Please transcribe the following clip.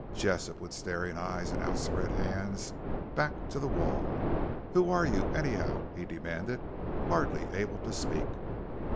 Jessop, with staring eyes and outspread hands, backed to the wall. "Who are you anyhow?" he demanded, hardly able to speak.